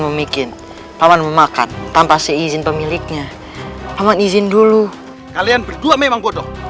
memikir paman memakan tanpa izin pemiliknya paman izin dulu kalian berdua memang bodoh